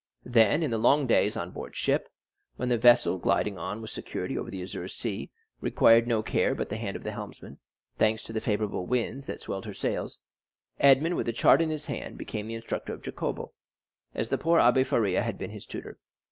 Then in the long days on board ship, when the vessel, gliding on with security over the azure sea, required no care but the hand of the helmsman, thanks to the favorable winds that swelled her sails, Edmond, with a chart in his hand, became the instructor of Jacopo, as the poor Abbé Faria had been his tutor.